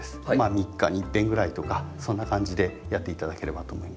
３日にいっぺんぐらいとかそんな感じでやって頂ければと思います。